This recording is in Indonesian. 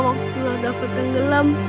waktu dapo tenggelam